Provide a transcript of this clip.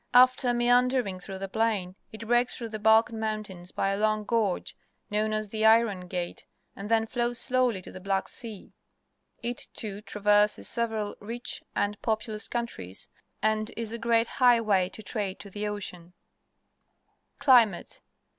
After meandering through the Plain, it breaks through the Balkan Mountains by a long gorge, known as the Iron Gate, and then flows slowly to the Black Sea. It, too, tra verses several rich and populous countries and is a great highway of trade to the ocean. 3r^^r(<\X „M jl IV i> Rainfall Map of Europe Climate.